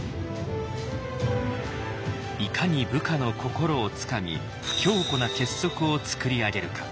いかに部下の心をつかみ強固な結束をつくり上げるか。